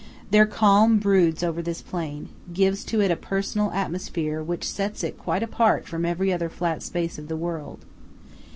Their calm broods over this plain, gives to it a personal atmosphere which sets it quite apart from every other flat space of the world.